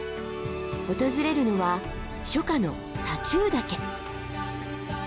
訪れるのは初夏の太忠岳。